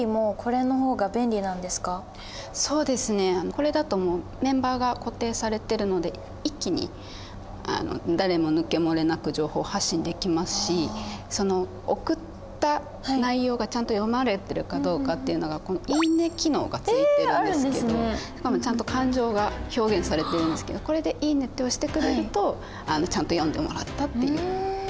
これだとメンバーが固定されてるので一気に誰も抜け漏れなく情報発信できますしその送った内容がちゃんと読まれてるかどうかっていうのがこのいいね機能がついてるんですけどしかもちゃんと感情が表現されてるんですけどこれでいいねって押してくれるとちゃんと読んでもらったっていうようなアクションになってるので。